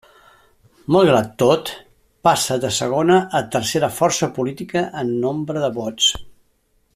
Malgrat tot, passa de segona a tercera força política en nombre de vots.